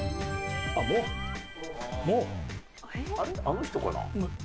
あの人かな？